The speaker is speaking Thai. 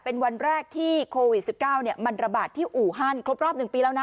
เป็นวันแรกที่โควิดสิบเก้าเนี่ยมันระบาดที่อูหั่นครบรอบหนึ่งปีแล้วน่ะ